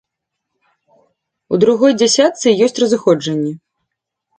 У другой дзясятцы ёсць разыходжанні.